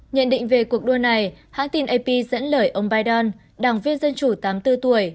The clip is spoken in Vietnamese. nhận định về cuộc đua này hãng tin ap dẫn lời ông biden đảng viên dân chủ tám mươi bốn tuổi